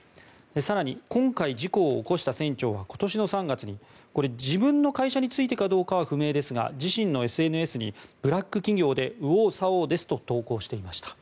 更に、今回事故を起こした船長は今年の３月にこれ、自分の会社についてかどうかはわかりませんが自身のＳＮＳにブラック企業で右往左往ですと投稿していました。